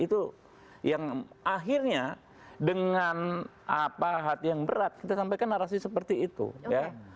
itu yang akhirnya dengan apa hati yang berat kita sampaikan narasi seperti itu ya